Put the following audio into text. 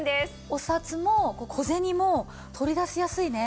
お札も小銭も取り出しやすいね